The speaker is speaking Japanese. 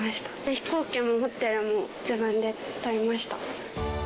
飛行機もホテルも、自分で取りました。